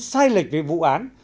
sai lệch về vụ án